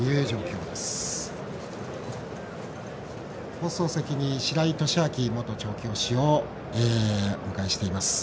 放送席に白井寿昭元調教師をお迎えしています。